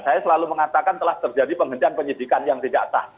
saya selalu mengatakan telah terjadi penghentian penyidikan yang tidak sah